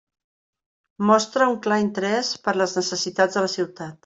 Mostra un clar interès per les necessitats de la ciutat.